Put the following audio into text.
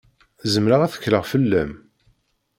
Zemreɣ ad tekkleɣ fell-am?